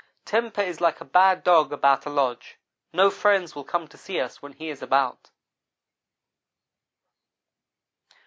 Temper is like a bad dog about a lodge no friends will come to see us when he is about.